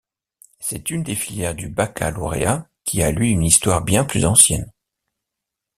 C’est une des filières du baccalauréat qui a lui une histoire bien plus ancienne.